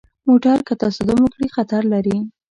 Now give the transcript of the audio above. موټر که تصادم وکړي، خطر لري.